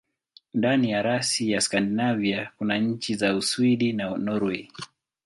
Ndani ya rasi ya Skandinavia kuna nchi za Uswidi na Norwei.